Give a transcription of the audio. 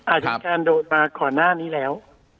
อาจารย์การโดนมาก่อนหน้านี้แล้ว